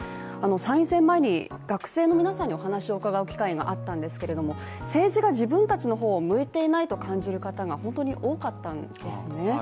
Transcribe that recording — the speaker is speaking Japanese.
参院選前に学生の皆さんにお話を伺う機会があったんですが政治が自分たちの方を向いていないと感じる方が本当に多かったんですね。